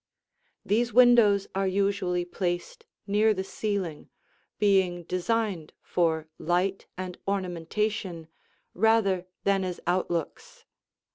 These windows are usually placed near the ceiling, being designed for light and ornamentation, rather than as outlooks.